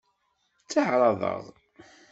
Tteɛṛaḍeɣ.